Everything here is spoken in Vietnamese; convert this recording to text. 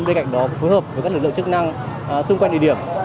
bên cạnh đó phối hợp với các lực lượng chức năng xung quanh địa điểm